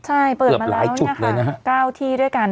ใช่เปิดมาแล้วเนี่ยค่ะเก้าที่ด้วยกัน